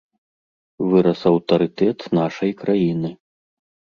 Вырас аўтарытэт нашай краіны.